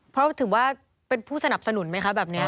เพราะถือว่าเป็นผู้สนับสนุนไหมคะแบบนี้